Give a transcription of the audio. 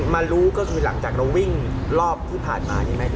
มารู้ก็คือหลังจากเราวิ่งรอบที่ผ่านมาใช่ไหม